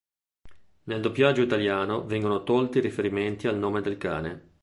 Nel doppiaggio italiano vengono tolti i riferimenti al nome del cane.